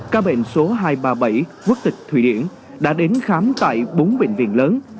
ca bệnh số hai trăm ba mươi bảy quốc tịch thụy điển đã đến khám tại bốn bệnh viện lớn